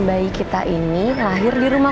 bayi kita ini lahir di rumah